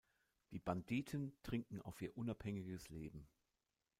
Die Banditen trinken auf ihr unabhängiges Leben.